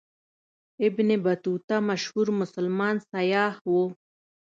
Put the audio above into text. ابن بطوطه مشهور مسلمان سیاح و.